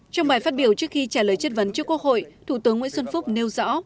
trong bài phát biểu trước khi trả lời chất vấn trước quốc hội thủ tướng nguyễn xuân phúc nêu rõ